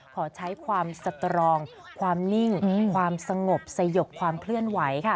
ขอใช้ความสตรองความนิ่งความสงบสยบความเคลื่อนไหวค่ะ